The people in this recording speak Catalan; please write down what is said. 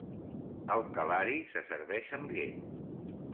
El kalari se serveix amb llet.